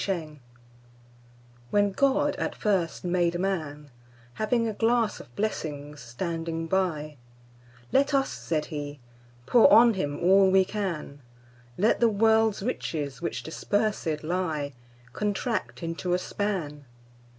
The Pulley WHEN God at first made Man, Having a glass of blessings standing by—Let us (said He) pour on him all we can; Let the world's riches, which dispersèd lie, Contract into a span.